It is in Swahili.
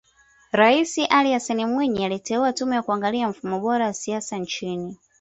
Rais Ali Hassan Mwinyi aliteua Tume ya kuangalia mfumo bora wa siasa nchini